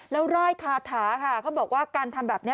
แล้วร่ายคาถาค่ะเขาบอกว่าการทำแบบนี้